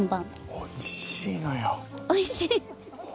おいしい？